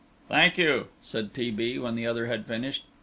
"Thank you," said T. B. when the other had finished.